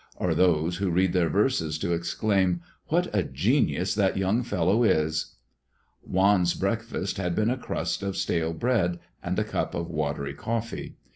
or those who read their verses to exclaim, "What a genius that young fellow is!" Juan's breakfast had been a crust of stale bread and a cup of watery coffee.